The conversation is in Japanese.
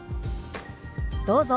どうぞ。